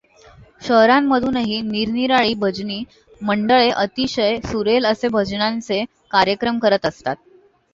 शहरांमधूनही निरनिराळी भजनी मंडळे अतिशय सुरेल असे भजनांचे कार्यक्रम करत असतात.